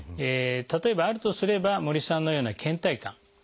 例えばあるとすれば森さんのようなけん怠感。